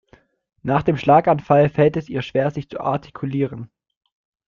Nach dem Schlaganfall fällt es ihr schwer sich zu artikulieren.